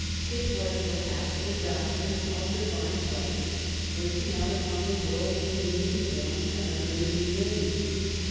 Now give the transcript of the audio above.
It was, perhaps, the doctrine of divine right breaking out upon the world in a new form and under a new name.